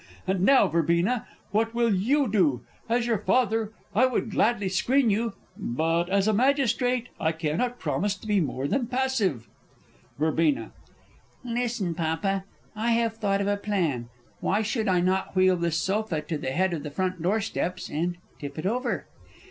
And now, Verbena, what will you do? As your father, I would gladly screen you but, as a Magistrate, I cannot promise to be more than passive. Verb. Listen, Papa. I have thought of a plan why should I not wheel this sofa to the head of the front door steps, and tip it over?